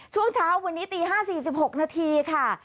ช่วงเช้าวันนี้ตี๕๔๖นาทีค่ะ